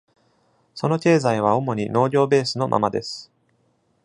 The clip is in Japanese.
その経済は主に農業ベースのままです。